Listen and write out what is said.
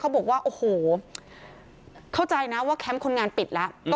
บอกว่าโอ้โหเข้าใจนะว่าแคมป์คนงานปิดแล้ว